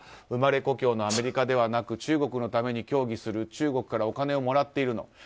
生まれ故郷のアメリカではなく中国のために競技する中国からお金をもらっているの？